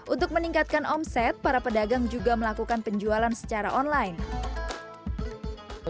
untuk meningkatkan omset para pedagang juga melakukan penjualan secara online